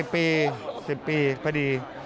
๔ปี๑๐ปีพอดี